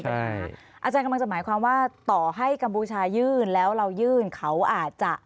อาจารย์กำลังจะหมายความว่าต่อให้กัมพูชายื่นแล้วเรายื่นเขาอาจจะ